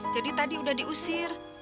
jadi tadi sudah diusir